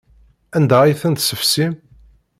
Anda ay tent-tessefsim?